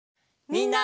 みんな！